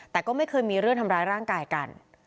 แต่ก็ไม่เคยมีเรื่องทำร้ายร่างกายกัน